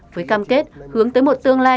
với cam kết hướng tới một tương lai